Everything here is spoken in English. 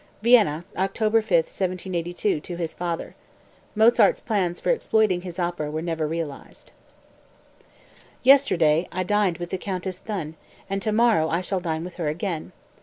(Vienna, October 5, 1782, to his father. Mozart's plans for exploiting his opera were never realized.) 213. "Yesterday I dined with the Countess Thun, and tomorrow I shall dine with her again.